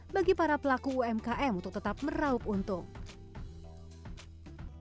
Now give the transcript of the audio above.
bagi para pelaku umkm untuk tetap meraup untung